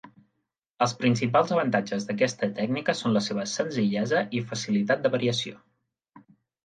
Els principals avantatges d'aquesta tècnica són la seva senzillesa i facilitat de variació.